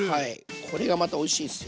これがまたおいしいんすよ。